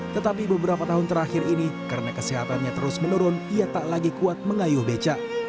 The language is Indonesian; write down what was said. tetapi beberapa tahun terakhir ini karena kesehatannya terus menurun ia tak lagi kuat mengayuh beca